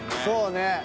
そうね。